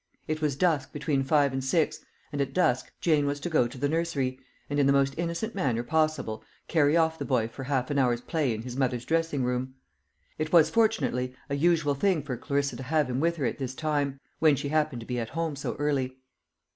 It was dusk between five and six; and at dusk Jane was to go to the nursery, and in the most innocent manner possible, carry off the boy for half an hour's play in his mother's dressing room. It was, fortunately, a usual thing for Clarissa to have him with her at this time, when she happened to be at home so early.